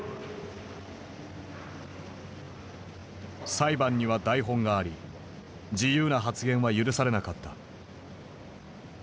裁判には台本があり自由な発言は許されなかった。